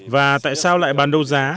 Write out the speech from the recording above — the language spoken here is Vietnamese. và tại sao lại bán đấu giá